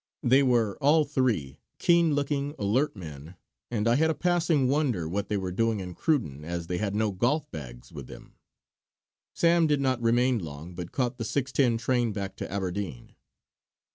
They were, all three, keen looking, alert men, and I had a passing wonder what they were doing in Cruden as they had no golf bags with them. Sam did not remain long but caught the six ten train back to Aberdeen.